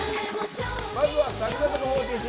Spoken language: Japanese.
まずは櫻坂４６。